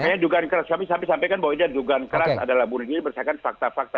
makanya juga keras tapi sampai sampai kan bahwa juga keras adalah bunuh diri bersaikan fakta fakta